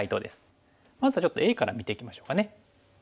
まずはちょっとＡから見ていきましょうかね。